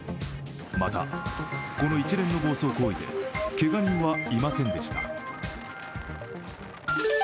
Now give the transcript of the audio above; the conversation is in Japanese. また、この一連の暴走行為で、けが人はいませんでした。